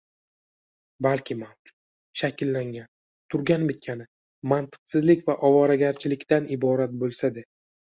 balki mavjud, shakllangan, turgan bitgani mantiqsizlik va ovoragarchilikdan iborat bo‘lsa-da